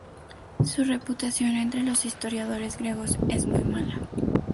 Su reputación entre los historiadores griegos es muy mala.